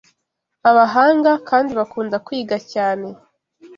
abahanga kandi bakunda kwiga cyane